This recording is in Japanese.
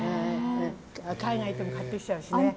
海外に行っても買ってきちゃうし。